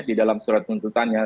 di dalam surat penuntutannya